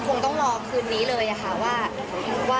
คือเราตอนนี้ยังนึกไม่ออกเลยว่าจะเป็นยังไง